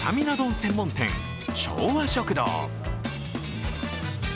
専門店、昭和食堂。